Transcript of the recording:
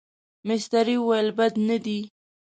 مستري وویل بد نه دي.